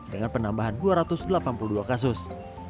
dengan penambahan dua ratus delapan puluh dua kasus